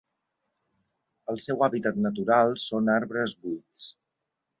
El seu hàbitat natural són arbres buits.